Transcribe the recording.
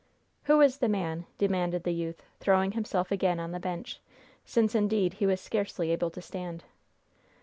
"Who is the man?" demanded the youth, throwing himself again on the bench, since indeed he was scarcely able to stand.